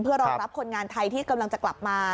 รองรับคนงานไทยที่กำลังจะกลับมา